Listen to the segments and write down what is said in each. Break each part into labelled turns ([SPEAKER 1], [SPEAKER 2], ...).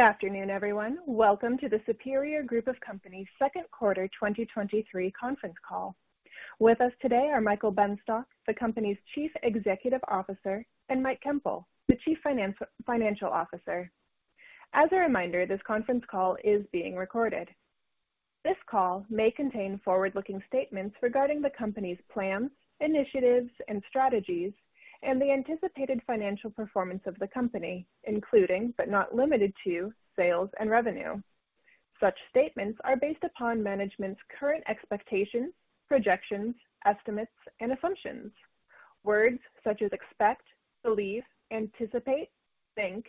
[SPEAKER 1] Good afternoon, everyone. Welcome to the Superior Group of Companies' Q2 2023 conference call. With us today are Michael Benstock, the company's Chief Executive Officer, and Mike Koempel, the Chief Financial Officer. As a reminder, this conference call is being recorded. This call may contain forward-looking statements regarding the company's plans, initiatives, and strategies and the anticipated financial performance of the company, including, but not limited to, sales and revenue. Such statements are based upon management's current expectations, projections, estimates, and assumptions. Words such as expect, believe, anticipate, think,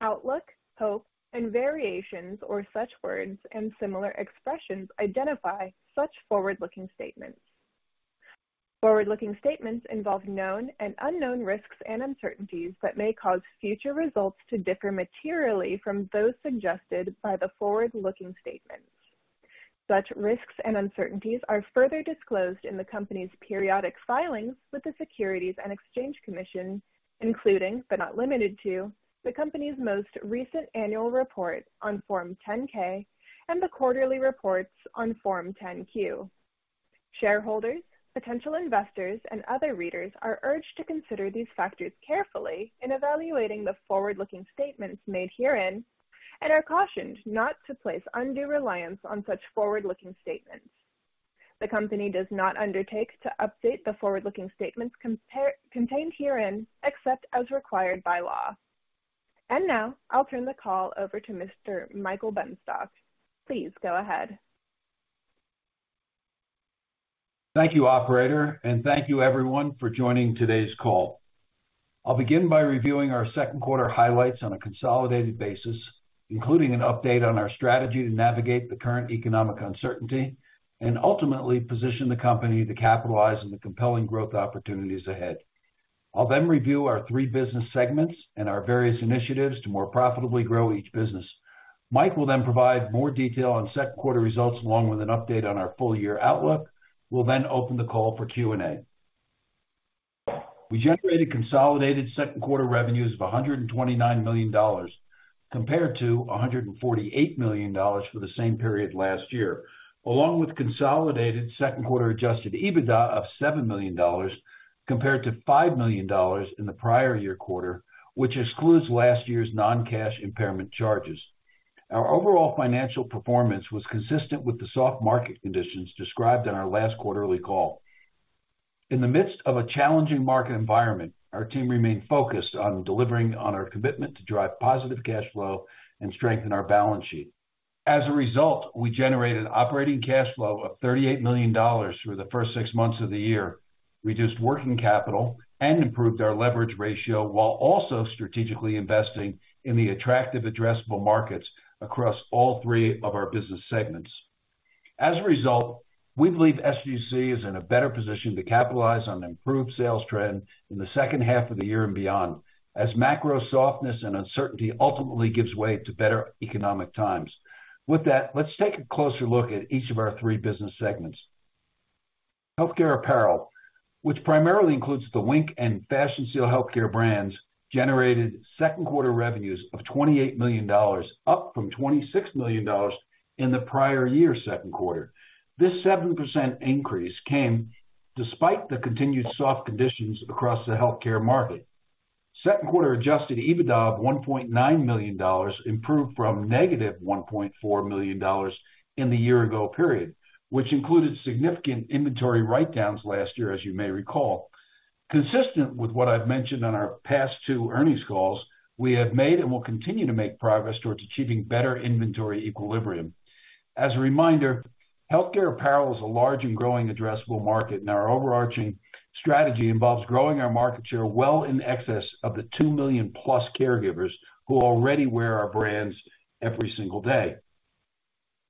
[SPEAKER 1] outlook, hope, and variations, or such words and similar expressions identify such forward-looking statements. Forward-looking statements involve known and unknown risks and uncertainties that may cause future results to differ materially from those suggested by the forward-looking statements. Such risks and uncertainties are further disclosed in the company's periodic filings with the Securities and Exchange Commission, including, but not limited to, the company's most recent annual report on Form 10-K and the quarterly reports on Form 10-Q. Shareholders, potential investors, and other readers are urged to consider these factors carefully in evaluating the forward-looking statements made herein and are cautioned not to place undue reliance on such forward-looking statements. The company does not undertake to update the forward-looking statements contained herein, except as required by law. Now I'll turn the call over to Mr. Michael Benstock. Please go ahead.
[SPEAKER 2] Thank you, operator, thank you everyone for joining today's call. I'll begin by reviewing our Q2 highlights on a consolidated basis, including an update on our strategy to navigate the current economic uncertainty and ultimately position the company to capitalize on the compelling growth opportunities ahead. I'll then review our three business segments and our various initiatives to more profitably grow each business. Mike will then provide more detail on Q2 results, along with an update on our full year outlook. We'll then open the call for Q&A. We generated consolidated Q2 revenues of $129 million, compared to $148 million for the same period last year, along with consolidated Q2 Adjusted EBITDA of $7 million, compared to $5 million in the prior year quarter, which excludes last year's non-cash impairment charges. Our overall financial performance was consistent with the soft market conditions described in our last quarterly call. In the midst of a challenging market environment, our team remained focused on delivering on our commitment to drive positive cash flow and strengthen our balance sheet. As a result, we generated operating cash flow of $38 million through the first six months of the year, reduced working capital and improved our leverage ratio, while also strategically investing in the attractive addressable markets across all three of our business segments. As a result, we believe SGC is in a better position to capitalize on improved sales trend in the second half of the year and beyond, as macro softness and uncertainty ultimately gives way to better economic times. With that, let's take a closer look at each of our three business segments. Healthcare Apparel, which primarily includes the Wink and Fashion Seal Healthcare brands, generated Q2 revenues of $28 million, up from $26 million in the prior year's Q2. This 7% increase came despite the continued soft conditions across the healthcare market. Q2 Adjusted EBITDA of $1.9 million improved from -$1.4 million in the year ago period, which included significant inventory write-downs last year, as you may recall. Consistent with what I've mentioned on our past two earnings calls, we have made and will continue to make progress towards achieving better inventory equilibrium. As a reminder, healthcare apparel is a large and growing addressable market, and our overarching strategy involves growing our market share well in excess of the 2 million-plus caregivers who already wear our brands every single day.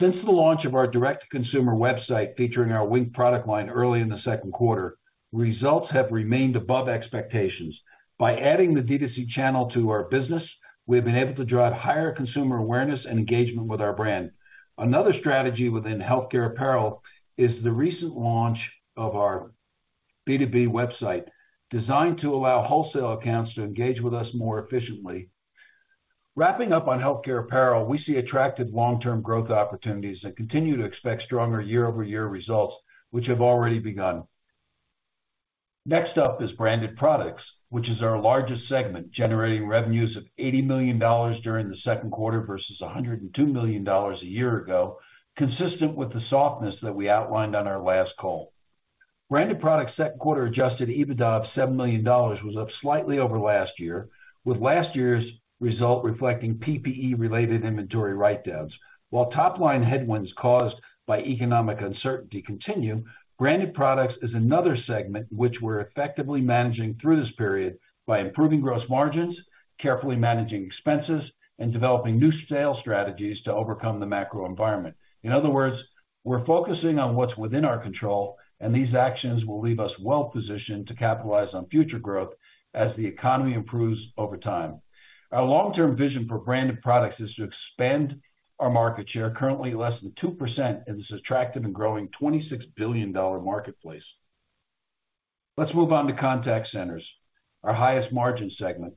[SPEAKER 2] Since the launch of our direct-to-consumer website, featuring our Wink product line early in the Q2, results have remained above expectations. By adding the D2C channel to our business, we have been able to drive higher consumer awareness and engagement with our brand. Another strategy within Healthcare Apparel is the recent launch of our B2B website, designed to allow wholesale accounts to engage with us more efficiently. Wrapping up on Healthcare Apparel, we see attractive long-term growth opportunities and continue to expect stronger year-over-year results, which have already begun. Next up is Branded Products, which is our largest segment, generating revenues of $80 million during the Q2 versus $102 million a year ago, consistent with the softness that we outlined on our last call. Branded Products' Q2 Adjusted EBITDA of $7 million was up slightly over last year, with last year's result reflecting PPE-related inventory write-downs. While top-line headwinds caused by economic uncertainty continue, Branded Products is another segment which we're effectively managing through this period by improving gross margins, carefully managing expenses, and developing new sales strategies to overcome the macro environment. In other words, we're focusing on what's within our control, and these actions will leave us well positioned to capitalize on future growth as the economy improves over time. Our long-term vision for Branded Products is to expand our market share, currently less than 2%, in this attractive and growing $26 billion marketplace. Let's move on to Contact Centers, our highest margin segment.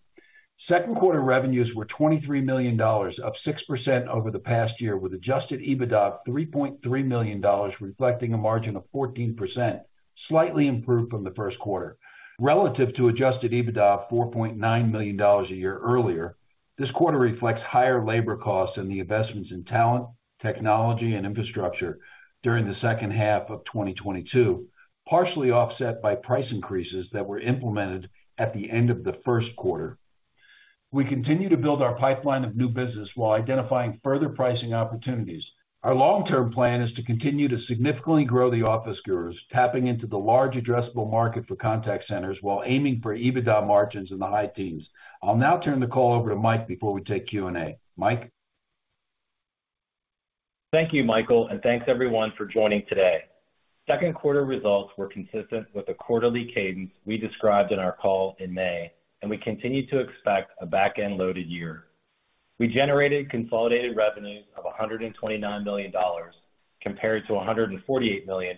[SPEAKER 2] Q2 revenues were $23 million, up 6% over the past year, with Adjusted EBITDA of $3.3 million, reflecting a margin of 14%, slightly improved from the Q1. Relative to Adjusted EBITDA of $4.9 million a year earlier, this quarter reflects higher labor costs and the investments in talent, technology, and infrastructure during the second half of 2022, partially offset by price increases that were implemented at the end of the Q1. We continue to build our pipeline of new business while identifying further pricing opportunities. Our long-term plan is to continue to significantly grow The Office Gurus, tapping into the large addressable market for Contact Centers while aiming for EBITDA margins in the high teens. I'll now turn the call over to Mike before we take Q&A. Mike?
[SPEAKER 3] Thank you, Michael, and thanks everyone for joining today. Q2 results were consistent with the quarterly cadence we described in our call in May, and we continue to expect a back-end loaded year. We generated consolidated revenues of $129 million, compared to $148 million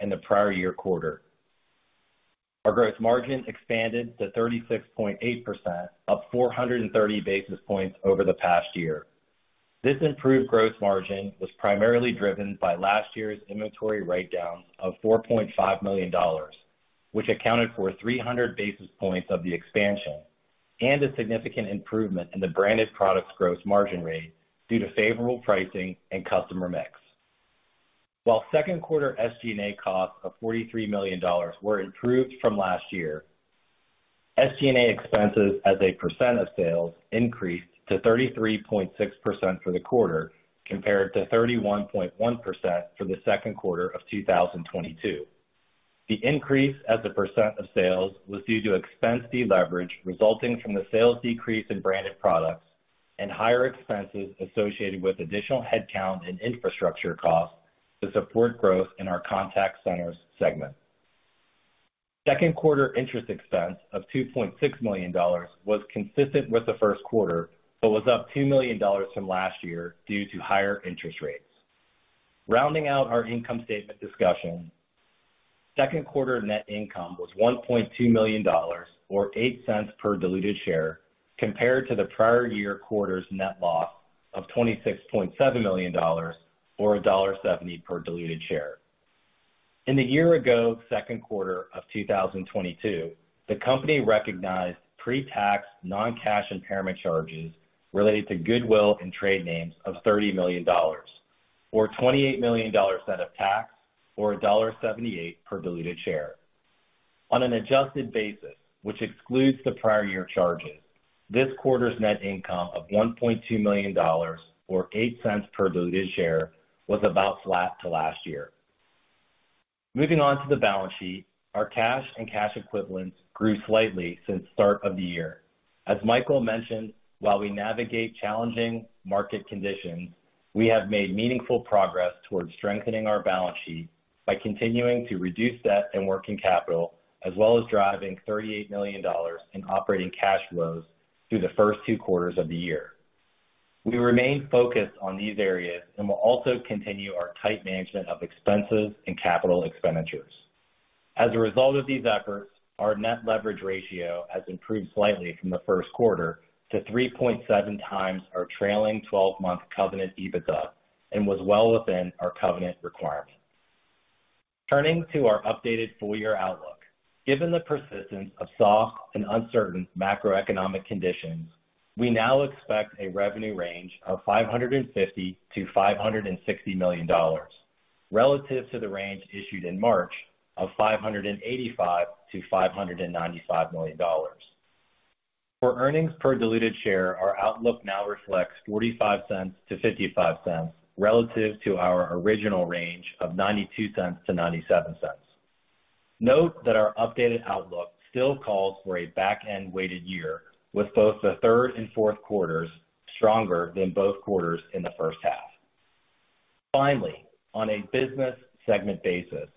[SPEAKER 3] in the prior year quarter. Our gross margin expanded to 36.8%, up 430 basis points over the past year. This improved gross margin was primarily driven by last year's inventory write-down of $4.5 million, which accounted for 300 basis points of the expansion and a significant improvement in the Branded Products gross margin rate due to favorable pricing and customer mix. While Q2 SG&A costs of $43 million were improved from last year, SG&A expenses as a % of sales increased to 33.6% for the quarter, compared to 31.1% for the Q2 of 2022. The increase as a % of sales was due to expense deleverage, resulting from the sales decrease in branded products and higher expenses associated with additional headcount and infrastructure costs to support growth in our Contact Centers segment. Q2 interest expense of $2.6 million was consistent with the Q1, but was up $2 million from last year due to higher interest rates. Rounding out our income statement discussion, Q2 net income was $1.2 million, or $0.08 per diluted share, compared to the prior year quarter's net loss of $26.7 million, or $1.70 per diluted share. In the year ago, Q2 of 2022, the company recognized pre-tax, non-cash impairment charges related to goodwill and trade names of $30 million, or $28 million net of tax, or $1.78 per diluted share. On an adjusted basis, which excludes the prior year charges, this quarter's net income of $1.2 million, or $0.08 per diluted share, was about flat to last year. Moving on to the balance sheet. Our cash and cash equivalents grew slightly since start of the year. As Michael mentioned, while we navigate challenging market conditions, we have made meaningful progress towards strengthening our balance sheet by continuing to reduce debt and working capital, as well as driving $38 million in operating cash flows through the first 2 quarters of the year. We remain focused on these areas and will also continue our tight management of expenses and capital expenditures. As a result of these efforts, our net leverage ratio has improved slightly from the Q1 to 3.7 times our trailing 12-month covenant EBITDA, and was well within our covenant requirements. Turning to our updated full year outlook. Given the persistence of soft and uncertain macroeconomic conditions, we now expect a revenue range of $550 million-$560 million, relative to the range issued in March of $585 million-$595 million. For earnings per diluted share, our outlook now reflects $0.45-$0.55, relative to our original range of $0.92-$0.97. Note that our updated outlook still calls for a back-end weighted year, with both the third and Q4s stronger than both quarters in the first half. Finally, on a business segment basis,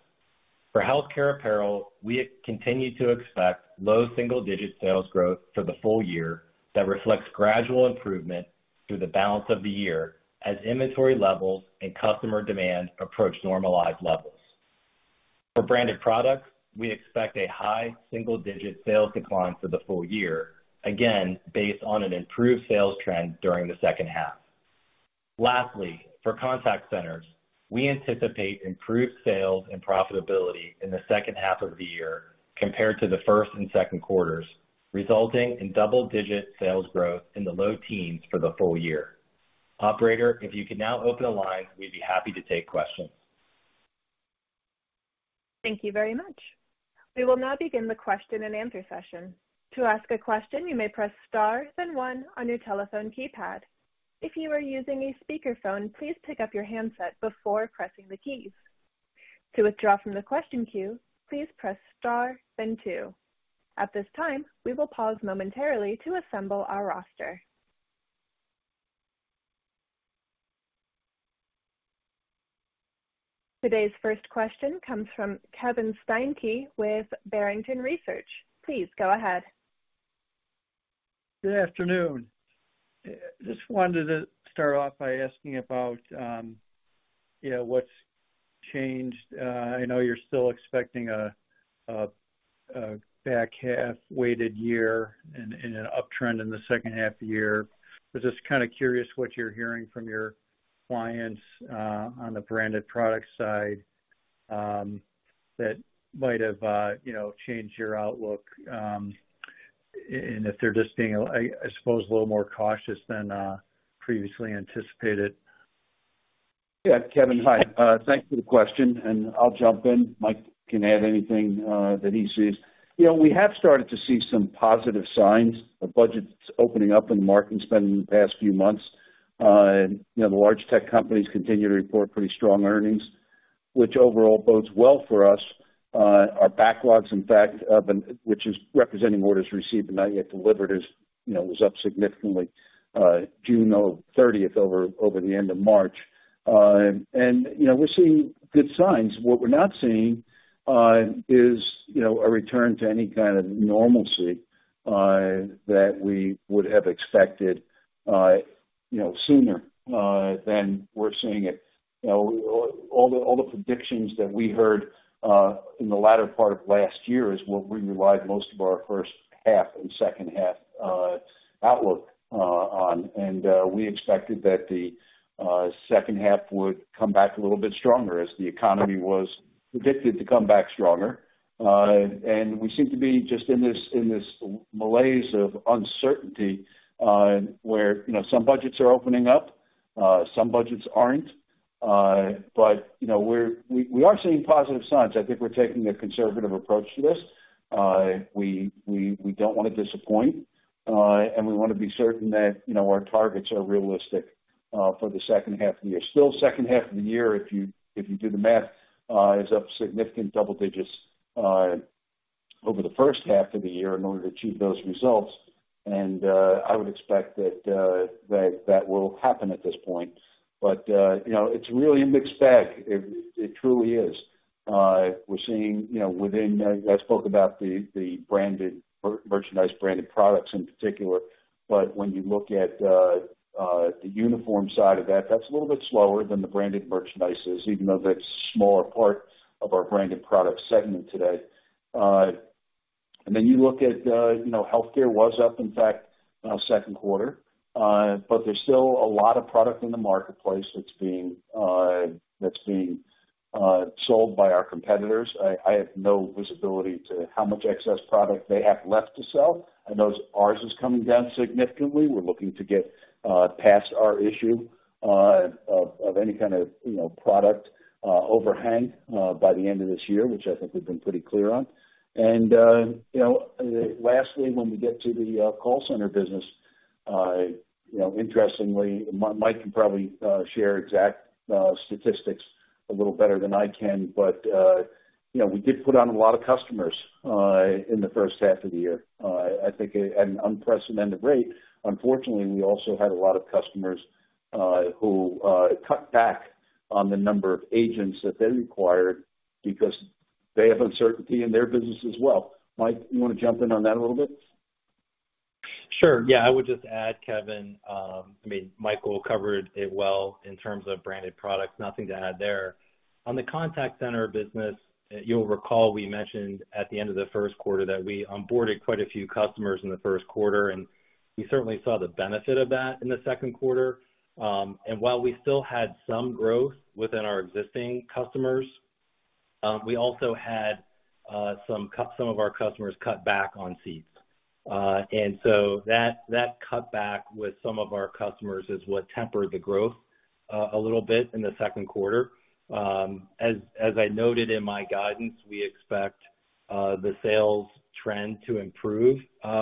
[SPEAKER 3] for Healthcare Apparel, we continue to expect low single-digit sales growth for the full year that reflects gradual improvement through the balance of the year as inventory levels and customer demand approach normalized levels. For Branded Products, we expect a high single-digit sales decline for the full year, again, based on an improved sales trend during the second half. Lastly, for Contact Centers, we anticipate improved sales and profitability in the second half of the year compared to the first and Q2s, resulting in double-digit sales growth in the low teens for the full year. Operator, if you could now open the line, we'd be happy to take questions.
[SPEAKER 1] Thank you very much. We will now begin the question and answer session. To ask a question, you may press star then one on your telephone keypad. If you are using a speakerphone, please pick up your handset before pressing the keys. To withdraw from the question queue, please press star, then two. At this time, we will pause momentarily to assemble our roster. Today's first question comes from Kevin Steinke with Barrington Research. Please go ahead.
[SPEAKER 4] Good afternoon. Just wanted to start off by asking about, you know, what's changed. I know you're still expecting a, a, a back half weighted year and, and an uptrend in the second half of the year. Just kind of curious what you're hearing from your clients on the Branded Products side that might have, you know, changed your outlook, and if they're just being, I, I suppose, a little more cautious than previously anticipated.
[SPEAKER 2] Yeah, Kevin, hi. Thanks for the question. I'll jump in. Mike can add anything that he sees. You know, we have started to see some positive signs of budgets opening up in marketing spend in the past few months. You know, the large tech companies continue to report pretty strong earnings, which overall bodes well for us. Our backlogs, in fact, which is representing orders received but not yet delivered, is, you know, was up significantly June 30 over the end of March. You know, we're seeing good signs. What we're not seeing is, you know, a return to any kind of normalcy that we would have expected, you know, sooner than we're seeing it. You know, all the, all the predictions that we heard, in the latter part of last year is what we relied most of our first half and second half outlook on. We expected that the second half would come back a little bit stronger as the economy was predicted to come back stronger. We seem to be just in this, in this malaise of uncertainty, where, you know, some budgets are opening up, some budgets aren't. You know, we, we are seeing positive signs. I think we're taking a conservative approach to this. We, we, we don't want to disappoint, and we want to be certain that, you know, our targets are realistic for the second half of the year. Still, second half of the year, if you, if you do the math, is up significant double digits, over the first half of the year in order to achieve those results. I would expect that, that that will happen at this point. You know, it's really a mixed bag. It, it truly is. We're seeing, you know, within, I spoke about the, the branded merchandise, Branded Products in particular, when you look at, the uniform side of that, that's a little bit slower than the branded merchandise is, even though that's a smaller part of our Branded Products segment today. You look at, you know, Healthcare was up, in fact, Q2. But there's still a lot of product in the marketplace that's being, that's being, sold by our competitors. I, I have no visibility to how much excess product they have left to sell. I know ours is coming down significantly. We're looking to get past our issue of, of any kind of, you know, product overhang by the end of this year, which I think we've been pretty clear on. You know, lastly, when we get to the call center business, you know, interestingly, Mike can probably share exact statistics a little better than I can, but, you know, we did put on a lot of customers in the first half of the year. I think at an unprecedented rate. Unfortunately, we also had a lot of customers, who cut back on the number of agents that they required because they have uncertainty in their business as well. Mike, you want to jump in on that a little bit?
[SPEAKER 3] Sure. Yeah, I would just add, Kevin, I mean, Michael covered it well in terms of Branded Products. Nothing to add there. On the contact center business, you'll recall we mentioned at the end of the Q1 that we onboarded quite a few customers in the Q1, and we certainly saw the benefit of that in the Q2. While we still had some growth within our existing customers, we also had some of our customers cut back on seats. That, that cutback with some of our customers is what tempered the growth a little bit in the Q2. As, as I noted in my guidance, we expect the sales trend to improve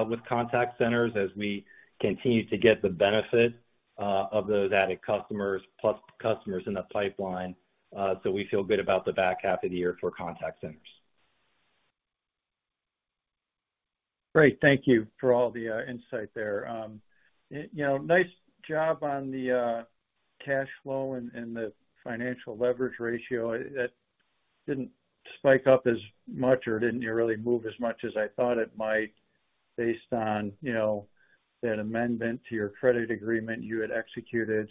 [SPEAKER 3] with Contact Centers as we continue to get the benefit of those added customers, plus customers in the pipeline. We feel good about the back half of the year for Contact Centers.
[SPEAKER 4] Great. Thank you for all the insight there. You know, nice job on the cash flow and, and the financial leverage ratio. That didn't spike up as much or didn't really move as much as I thought it might, based on, you know, that amendment to your credit agreement you had executed.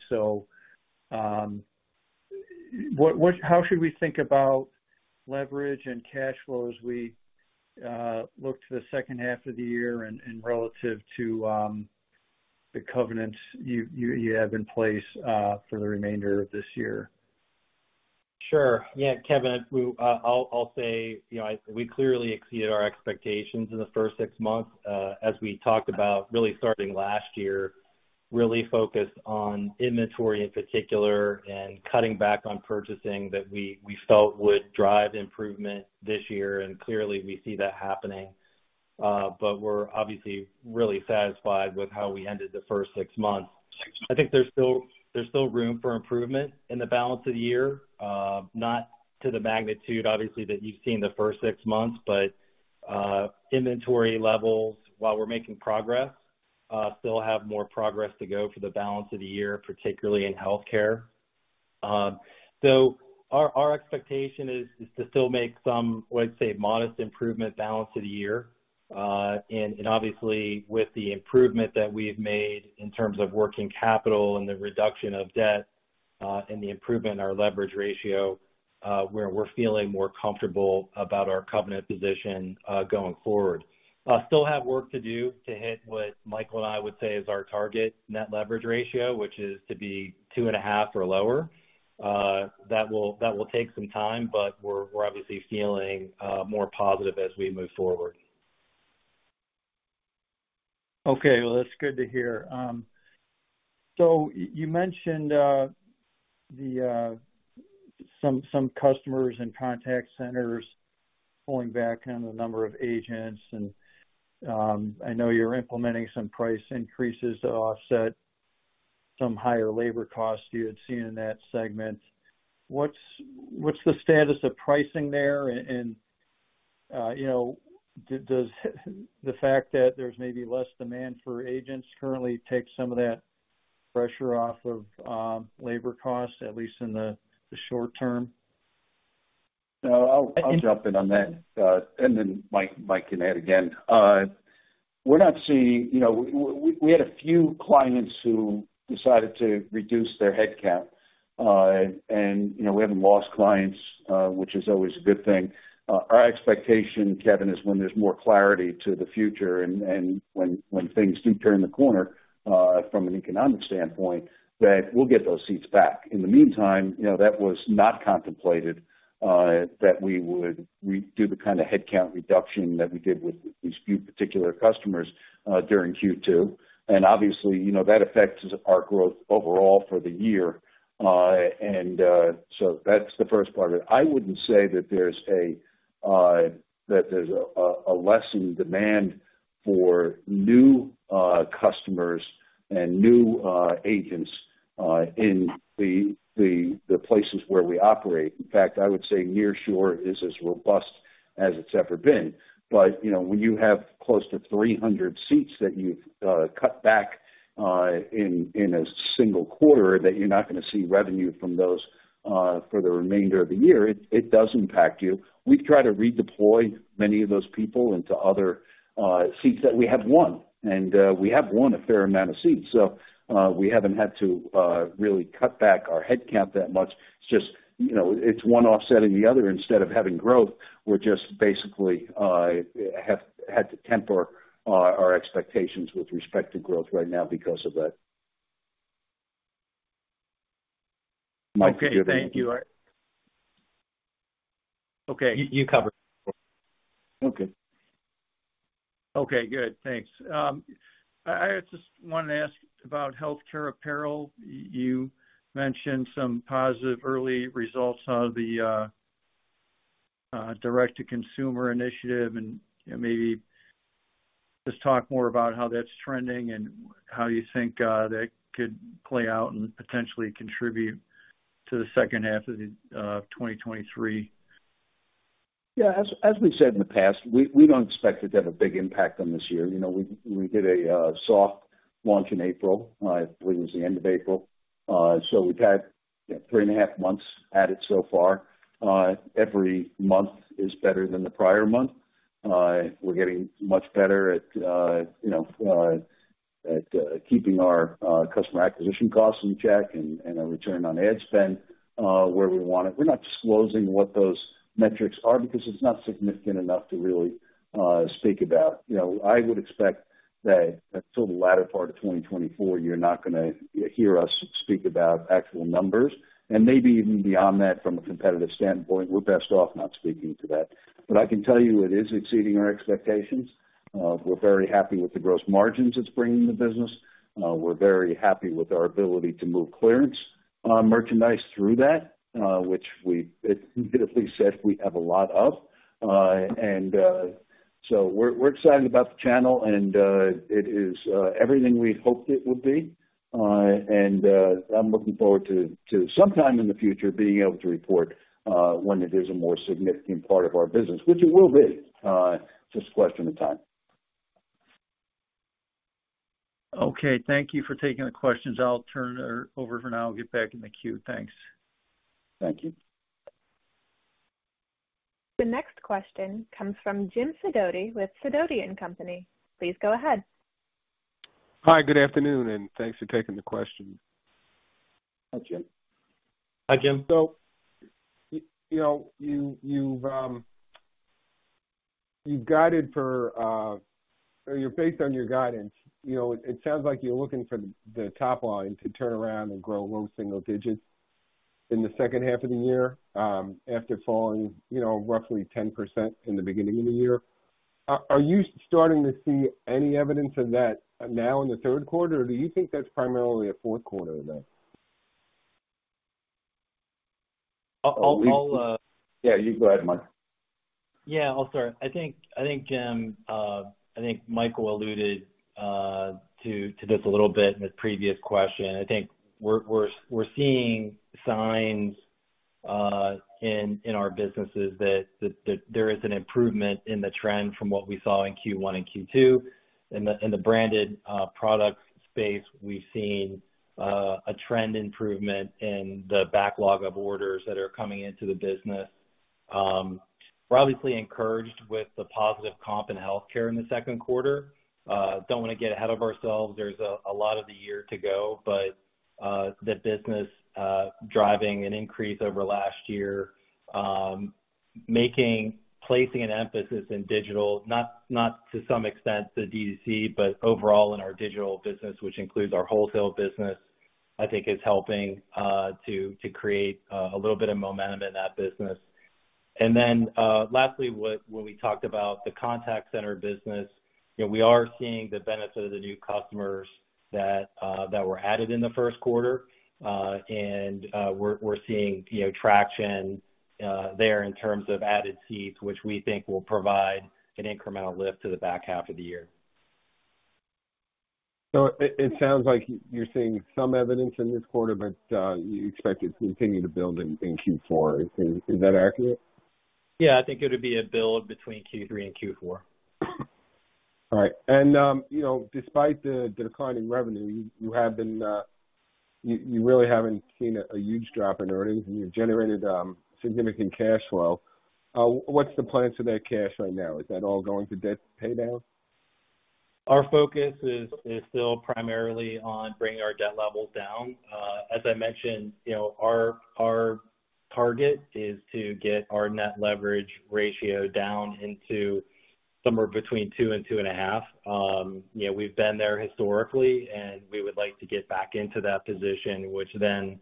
[SPEAKER 4] How should we think about leverage and cash flow as we look to the second half of the year and, and relative to the covenants you, you, you have in place for the remainder of this year?
[SPEAKER 3] Sure. Yeah, Kevin, I'll, I'll say, you know, we clearly exceeded our expectations in the first six months, as we talked about really starting last year, really focused on inventory in particular and cutting back on purchasing that we, we felt would drive improvement this year. Clearly, we see that happening. We're obviously really satisfied with how we ended the first six months. I think there's still, there's still room for improvement in the balance of the year. Not to the magnitude, obviously, that you've seen the first six months, inventory levels, while we're making progress, still have more progress to go for the balance of the year, particularly in healthcare. Our, our expectation is, is to still make some, let's say, modest improvement balance of the year. And obviously, with the improvement that we've made in terms of working capital and the reduction of debt, and the improvement in our leverage ratio, where we're feeling more comfortable about our covenant position, going forward. Still have work to do to hit what Michael and I would say is our target net leverage ratio, which is to be 2.5 or lower. That will, that will take some time, but we're, we're obviously feeling, more positive as we move forward.
[SPEAKER 4] Okay, well, that's good to hear. You mentioned some customers and Contact Centers pulling back on the number of agents, and I know you're implementing some price increases to offset some higher labor costs you had seen in that segment. What's the status of pricing there? You know, does the fact that there's maybe less demand for agents currently take some of that pressure off of labor costs, at least in the short term?
[SPEAKER 2] No, I'll, I'll jump in on that, and then Mike, Mike can add again. We're not seeing... You know, we, we, we had a few clients who decided to reduce their headcount, and, you know, we haven't lost clients, which is always a good thing. Our expectation, Kevin, is when there's more clarity to the future and, and when, when things do turn the corner, from an economic standpoint, that we'll get those seats back. In the meantime, you know, that was not contemplated, that we would re-do the kind of headcount reduction that we did with these few particular customers, during Q2. Obviously, you know, that affects our growth overall for the year. So that's the first part of it. I wouldn't say that there's a that there's a a a lessening demand for new customers and new agents in the the the places where we operate. In fact, I would say nearshore is as robust as it's ever been. You know, when you have close to 300 seats that you've cut back in in a single quarter, that you're not gonna see revenue from those for the remainder of the year, it, it does impact you. We've tried to redeploy many of those people into other seats that we have won, and we have won a fair amount of seats, so we haven't had to really cut back our headcount that much. It's just, you know, it's one offsetting the other. Instead of having growth, we're just basically, have had to temper our, our expectations with respect to growth right now because of that. Mike, do you have anything?
[SPEAKER 4] Okay, thank you. Okay.
[SPEAKER 3] You covered it.
[SPEAKER 2] Okay.
[SPEAKER 4] Okay, good. Thanks. I, I just wanted to ask about Healthcare Apparel. You mentioned some positive early results out of the direct-to-consumer initiative, and maybe just talk more about how that's trending and how you think that could play out and potentially contribute to the second half of the 2023.
[SPEAKER 2] Yeah, as, as we've said in the past, we, we don't expect it to have a big impact on this year. You know, we, we did a soft launch in April, I believe it was the end of April. We've had 3.5 months at it so far. Every month is better than the prior month. We're getting much better at, you know, at keeping our customer acquisition costs in check and, and our return on ad spend, where we want it. We're not disclosing what those metrics are because it's not significant enough to really speak about. You know, I would expect that until the latter part of 2024, you're not gonna hear us speak about actual numbers, and maybe even beyond that, from a competitive standpoint, we're best off not speaking to that. I can tell you it is exceeding our expectations. We're very happy with the gross margins it's bringing the business. We're very happy with our ability to move clearance merchandise through that, which we significantly said we have a lot of. So we're, we're excited about the channel and it is everything we hoped it would be. I'm looking forward to, to sometime in the future being able to report when it is a more significant part of our business, which it will be, just a question of time.
[SPEAKER 4] Okay. Thank you for taking the questions. I'll turn it over for now and get back in the queue. Thanks.
[SPEAKER 2] Thank you.
[SPEAKER 1] The next question comes from Jim Sidoti with Sidoti & Company. Please go ahead.
[SPEAKER 5] Hi, good afternoon, and thanks for taking the question.
[SPEAKER 2] Hi, Jim.
[SPEAKER 3] Hi, Jim.
[SPEAKER 5] You know, you've, you've guided for, or you're based on your guidance, you know, it sounds like you're looking for the top line to turn around and grow low single digits in the second half of the year, after falling, you know, roughly 10% in the beginning of the year. Are you starting to see any evidence of that now in the Q3, or do you think that's primarily a Q4 event?
[SPEAKER 3] I'll, I'll.
[SPEAKER 2] Yeah, you go ahead, Mike.
[SPEAKER 3] Yeah. I'll start. I think, I think, Jim, I think Michael alluded to, to this a little bit in the previous question. I think we're, we're, we're seeing signs in, in our businesses that, that, that there is an improvement in the trend from what we saw in Q1 and Q2. In the, in the Branded Products space, we've seen a trend improvement in the backlog of orders that are coming into the business. We're obviously encouraged with the positive comp in Healthcare Apparel in the Q2. Don't want to get ahead of ourselves. There's a, a lot of the year to go, but the business driving an increase over last year, making- placing an emphasis in digital, not, not to some extent, the D2C, but overall in our digital business, which includes our wholesale business, I think is helping to, to create a little bit of momentum in that business. Lastly, what, when we talked about the contact center business, you know, we are seeing the benefit of the new customers that were added in the Q1. We're, we're seeing, you know, traction there in terms of added seats, which we think will provide an incremental lift to the back half of the year.
[SPEAKER 5] it, it sounds like you're seeing some evidence in this quarter, but you expect it to continue to build in, in Q4. Is, is that accurate?
[SPEAKER 3] Yeah, I think it'll be a build between Q3 and Q4.
[SPEAKER 5] All right. You know, despite the, the decline in revenue, you, you have been, you, you really haven't seen a, a huge drop in earnings, and you've generated, significant cash flow. What's the plan for that cash right now? Is that all going to debt paydown?
[SPEAKER 3] Our focus is, is still primarily on bringing our debt levels down. As I mentioned, you know, our, our target is to get our net leverage ratio down into somewhere between 2 and 2.5. You know, we've been there historically, and we would like to get back into that position, which then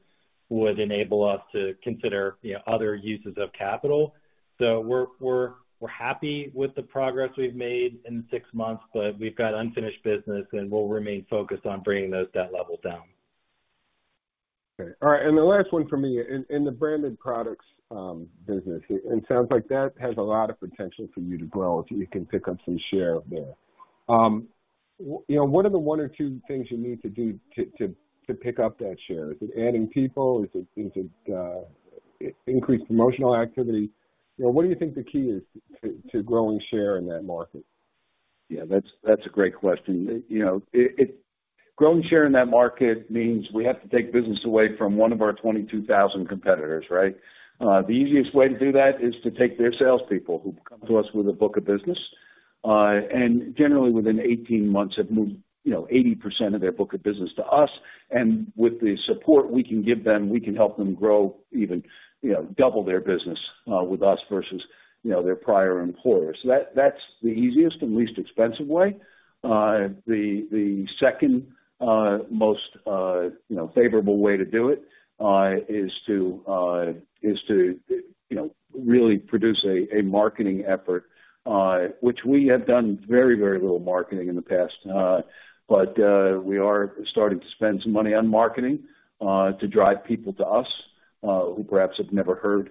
[SPEAKER 3] would enable us to consider, you know, other uses of capital. We're, we're, we're happy with the progress we've made in 6 months, but we've got unfinished business, and we'll remain focused on bringing those debt levels down.
[SPEAKER 5] Okay. All right, the last one for me. In, in the Branded Products business, it sounds like that has a lot of potential for you to grow, if you can pick up some share there. You know, what are the one or two things you need to do to pick up that share? Is it adding people? Is it increased promotional activity? You know, what do you think the key is to growing share in that market?
[SPEAKER 2] Yeah, that's, that's a great question. You know, it growing share in that market means we have to take business away from one of our 22,000 competitors, right? The easiest way to do that is to take their salespeople, who come to us with a book of business, and generally, within 18 months, have moved, you know, 80% of their book of business to us. With the support we can give them, we can help them grow even, you know, double their business, with us versus, you know, their prior employers. That's the easiest and least expensive way. The, the second, most, you know, favorable way to do it, is to, is to, you know, really produce a, a marketing effort, which we have done very, very little marketing in the past. We are starting to spend some money on marketing to drive people to us who perhaps have never heard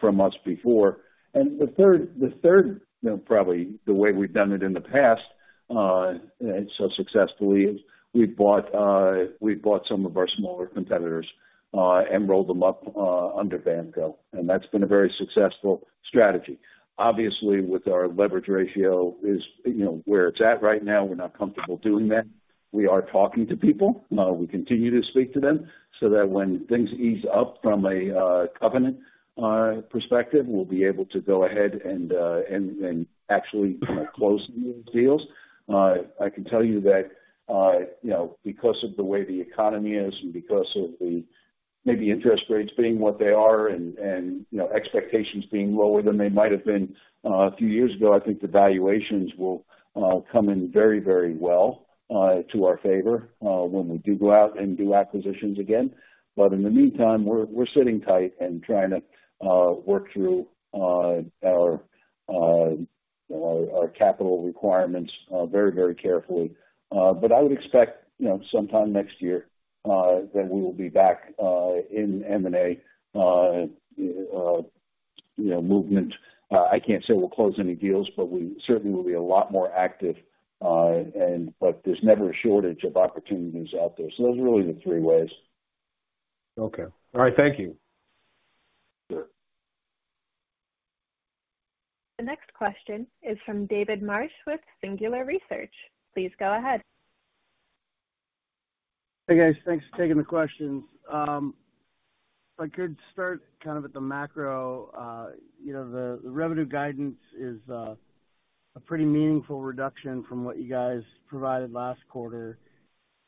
[SPEAKER 2] from us before. The third, the third, you know, probably the way we've done it in the past and so successfully, is we've bought, we've bought some of our smaller competitors and rolled them up under BAMKO, and that's been a very successful strategy. Obviously, with our leverage ratio is, you know, where it's at right now, we're not comfortable doing that. We are talking to people. We continue to speak to them so that when things ease up from a covenant perspective, we'll be able to go ahead and, and, and actually kind of close these deals. I can tell you that, you know, because of the way the economy is and because of the maybe interest rates being what they are and, and, you know, expectations being lower than they might have been, a few years ago, I think the valuations will come in very, very well to our favor when we do go out and do acquisitions again. In the meantime, we're sitting tight and trying to work through our, our capital requirements very, very carefully. I would expect, you know, sometime next year that we will be back in M&A movement. I can't say we'll close any deals, but we certainly will be a lot more active, and there's never a shortage of opportunities out there. Those are really the three ways.
[SPEAKER 5] Okay. All right. Thank you.
[SPEAKER 2] Sure.
[SPEAKER 1] The next question is from David Marsh with Singular Research. Please go ahead.
[SPEAKER 6] Hey, guys. Thanks for taking the questions. If I could start kind of at the macro, you know, the, the revenue guidance is a pretty meaningful reduction from what you guys provided last quarter.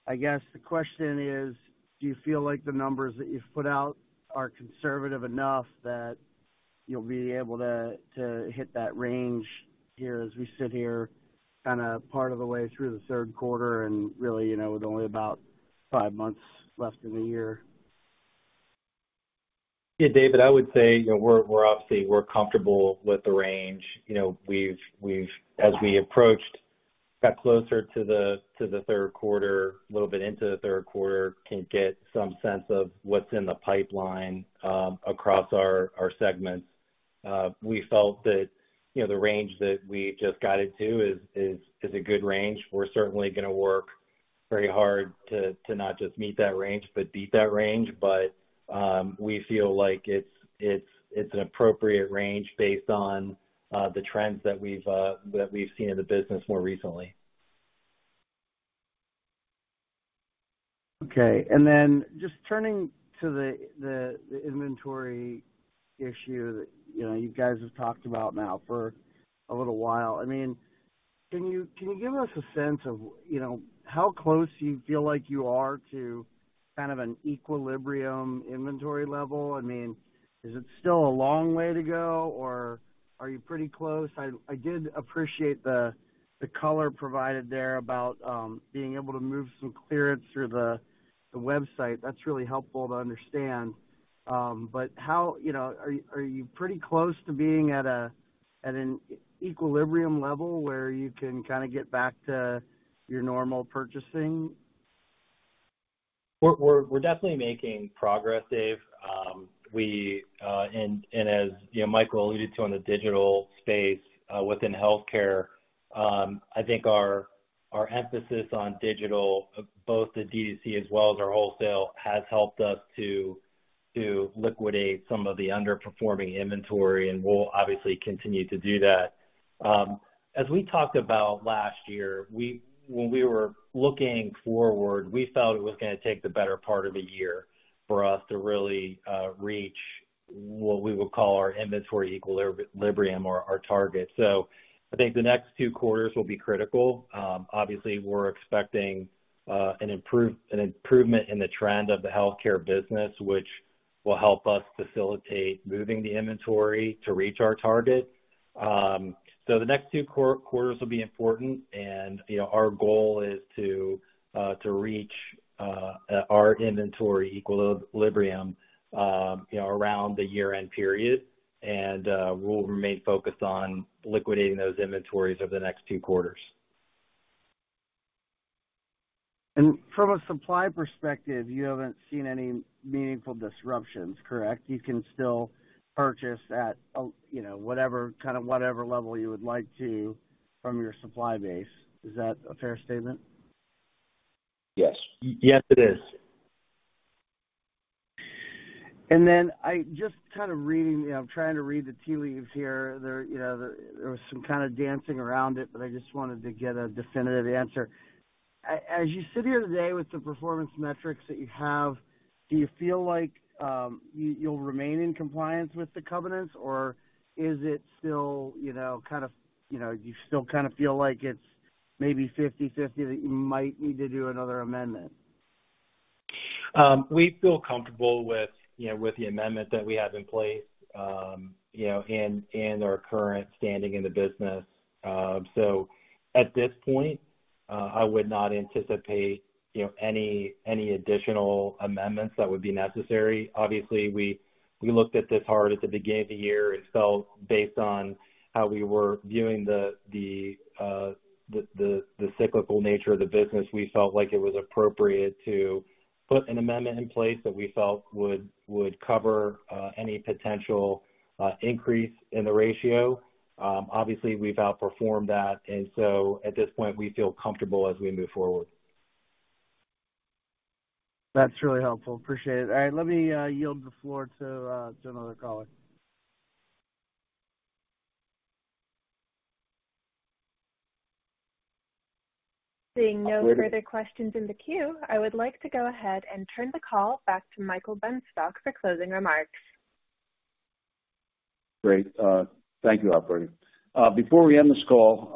[SPEAKER 6] I guess the question is: Do you feel like the numbers that you've put out are conservative enough that you'll be able to, to hit that range here, as we sit here, kind of part of the way through the Q3 and really, you know, with only about five months left in the year?
[SPEAKER 3] Yeah, David, I would say, you know, we're, we're obviously, we're comfortable with the range. You know, as we approached, got closer to the Q3, a little bit into the Q3, can get some sense of what's in the pipeline across our segments. We felt that, you know, the range that we just guided to is a good range. We're certainly gonna work very hard to not just meet that range, but beat that range. We feel like it's an appropriate range based on the trends that we've seen in the business more recently.
[SPEAKER 6] Okay. Just turning to the, the, the inventory issue that, you know, you guys have talked about now for a little while. I mean, can you, can you give us a sense of, you know, how close you feel like you are to kind of an equilibrium inventory level? I mean, is it still a long way to go, or are you pretty close? I, I did appreciate the, the color provided there about being able to move some clearance through the, the website. That's really helpful to understand. You know, are, are you pretty close to being at a, at an equilibrium level, where you can kinda get back to your normal purchasing?
[SPEAKER 3] We're, we're, we're definitely making progress, Dave. We, and as, you know, Michael alluded to in the digital space, within healthcare, I think our, our emphasis on digital, both the D2C as well as our wholesale, has helped us to, to liquidate some of the underperforming inventory, and we'll obviously continue to do that. As we talked about last year, when we were looking forward, we felt it was gonna take the better part of a year for us to really, reach what we would call our inventory equilibrium or our target. I think the next 2 quarters will be critical. Obviously, we're expecting, an improvement in the trend of the healthcare business, which will help us facilitate moving the inventory to reach our target. The next 2 quarters will be important, and, you know, our goal is to reach our inventory equilibrium, you know, around the year-end period. We'll remain focused on liquidating those inventories over the next 2 quarters.
[SPEAKER 6] From a supply perspective, you haven't seen any meaningful disruptions, correct? You can still purchase at, you know, whatever, kind of whatever level you would like to from your supply base. Is that a fair statement?
[SPEAKER 3] Yes. Yes, it is.
[SPEAKER 6] I just kind of reading, you know, I'm trying to read the tea leaves here. There, you know, there, there was some kind of dancing around it, but I just wanted to get a definitive answer. As you sit here today with the performance metrics that you have, do you feel like, you, you'll remain in compliance with the covenants, or is it still, you know, kind of, you know, you still kinda feel like it's maybe 50/50, that you might need to do another amendment?
[SPEAKER 3] We feel comfortable with, you know, with the amendment that we have in place, you know, and our current standing in the business. At this point, I would not anticipate, you know, any additional amendments that would be necessary. Obviously, we looked at this hard at the beginning of the year and felt, based on how we were viewing the cyclical nature of the business, we felt like it was appropriate to put an amendment in place that we felt would cover any potential increase in the ratio. Obviously, we've outperformed that, at this point, we feel comfortable as we move forward.
[SPEAKER 6] That's really helpful. Appreciate it. All right, let me yield the floor to to another caller.
[SPEAKER 1] Seeing no further questions in the queue, I would like to go ahead and turn the call back to Michael Benstock for closing remarks.
[SPEAKER 2] Great. Thank you, operator. Before we end this call,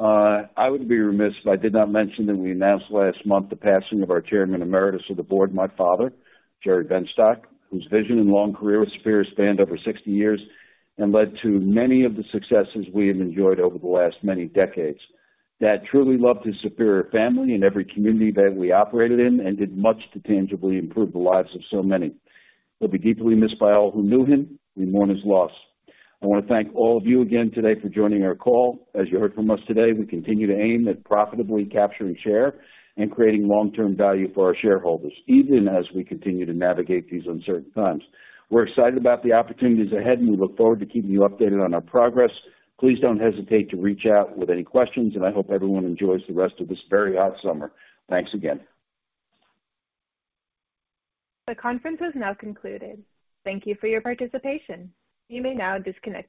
[SPEAKER 2] I would be remiss if I did not mention that we announced last month the passing of our Chairman Emeritus of the Board, my father, Jerry Benstock, whose vision and long career at Superior spanned over 60 years and led to many of the successes we have enjoyed over the last many decades. Dad truly loved his Superior family and every community that we operated in, and did much to tangibly improve the lives of so many. He'll be deeply missed by all who knew him. We mourn his loss. I want to thank all of you again today for joining our call. As you heard from us today, we continue to aim at profitably capturing share and creating long-term value for our shareholders, even as we continue to navigate these uncertain times. We're excited about the opportunities ahead, and we look forward to keeping you updated on our progress. Please don't hesitate to reach out with any questions, and I hope everyone enjoys the rest of this very hot summer. Thanks again.
[SPEAKER 1] The conference is now concluded. Thank you for your participation. You may now disconnect your lines.